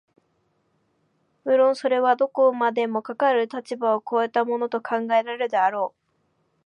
無論それはどこまでもかかる立場を越えたものと考えられるであろう、